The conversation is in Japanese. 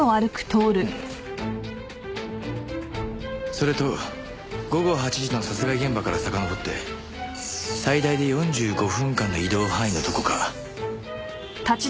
それと午後８時の殺害現場からさかのぼって最大で４５分間の移動範囲のどこか。